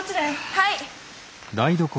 はい！